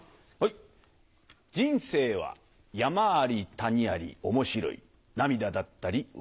人生は山あり谷あり面白い涙だったり笑いだったり。